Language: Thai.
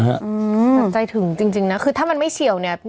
แต่ใจถึงจริงนะคือถ้ามันไม่เฉียวเนี่ย